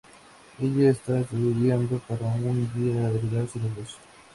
Ella está estudiando para un día heredar su negocio.